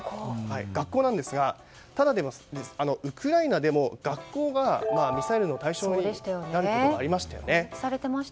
学校なんですがただ、ウクライナでも学校がミサイル攻撃の対象になるということがありましたよね。